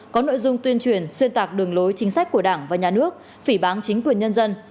có nội dung tuyên truyền xuyên tạc đường lối chính sách của đảng và nhà nước phỉ bán chính quyền nhân dân